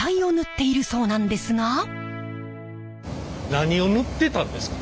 何を塗ってたんですか？